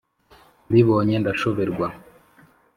Mbibonye ndashoberwa